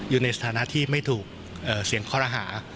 อยู่ในสถานะที่ไม่ถูกเสียงคอรหา